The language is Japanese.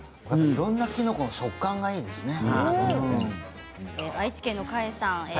いろんなきのこの食感がいいですね。